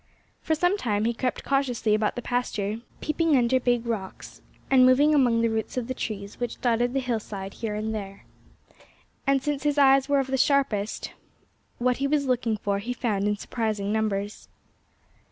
For some time he crept cautiously about the pasture, peeping under big rocks, and moving among the roots of the trees which dotted the hillside here and there. And since his eyes were of the sharpest, what he was looking for he found in surprising numbers.